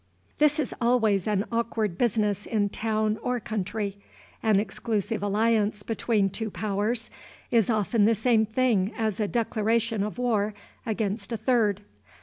This is always an awkward business in town or country. An exclusive alliance between two powers is often the same thing as a declaration of war against a third.